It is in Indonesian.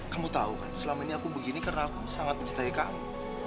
kamu tahu kan selama ini aku begini karena aku sangat mencintai kamu